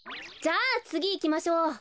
じゃあつぎいきましょう。